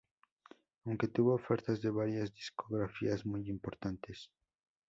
Aunque tuvo ofertas de varias discográficas muy importantes.